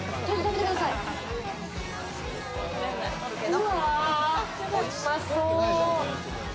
うわ、うまそう。